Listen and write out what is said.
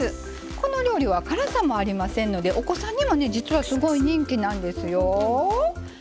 この料理は辛さもありませんのでお子さんにもね実はすごい人気なんですよ。